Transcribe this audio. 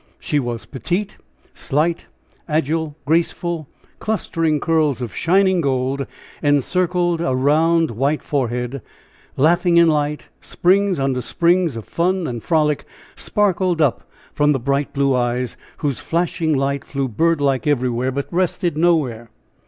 She was petite, slight, agile, graceful; clustering curls of shining gold encircled a round, white forehead, laughing in light; springs under springs of fun and frolic sparkled up from the bright, blue eyes, whose flashing light flew bird like everywhere, but rested nowhere.